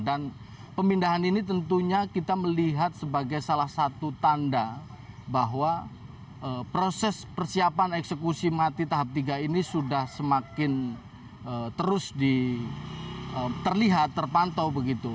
dan pemindahan ini tentunya kita melihat sebagai salah satu tanda bahwa proses persiapan eksekusi mati tahap tiga ini sudah semakin terus terlihat terpantau begitu